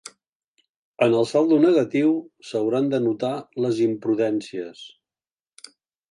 En el saldo negatiu s’hauran d’anotar les imprudències.